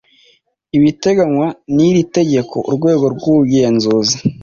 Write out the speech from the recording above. ibitegenywa n iri tegeko Urwego rw Ubugenzuzi